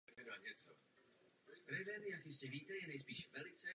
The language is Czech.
Album bylo ve Spojených státech amerických oceněno platinovou deskou.